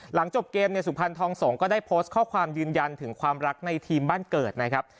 หลังจบเกมเนี่ยสุพรรณทองสงฆ์ก็ได้โพสต์ข้อความยืนยันถึงความรักในทีมบ้านเกิดนะครับ